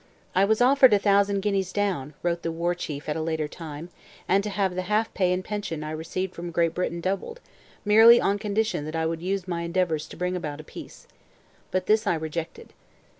'I was offered a thousand guineas down,' wrote the War Chief at a later time, 'and to have the half pay and pension I receive from Great Britain doubled, merely on condition that I would use my endeavours to bring about a peace. But this I rejected.'